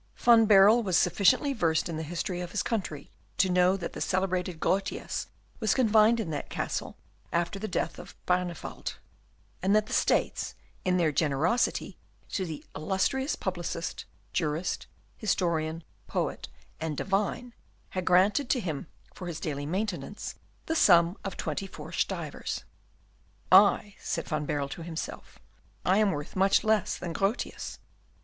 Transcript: Van Baerle was sufficiently versed in the history of his country to know that the celebrated Grotius was confined in that castle after the death of Barneveldt; and that the States, in their generosity to the illustrious publicist, jurist, historian, poet, and divine, had granted to him for his daily maintenance the sum of twenty four stivers. "I," said Van Baerle to himself, "I am worth much less than Grotius.